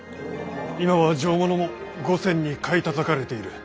今は上物も５銭に買いたたかれている。